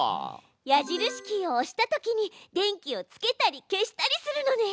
矢印キーを押したときに電気をつけたり消したりするのね！